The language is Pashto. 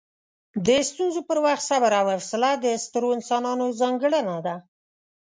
د ستونزو پر وخت صبر او حوصله د سترو انسانانو ځانګړنه ده.